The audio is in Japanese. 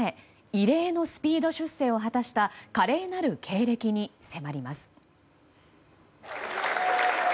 異例のスピード出世を果たした華麗なる経歴に迫ります。